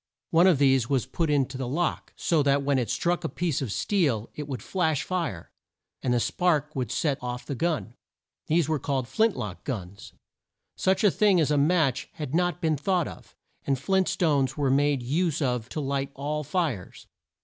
One of these was put in the lock, so that when it struck a piece of steel it would flash fire, and the spark would set off the gun. These were called flint lock guns. Such a thing as a match had not been thought of, and flint stones were made use of to light all fires.